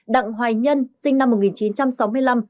đặng hoài nhân sinh năm một nghìn chín trăm sáu mươi năm